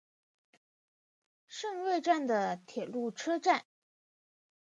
胜瑞站的铁路车站。